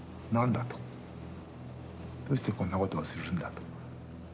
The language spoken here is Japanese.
どうしてこんなことをするんだと。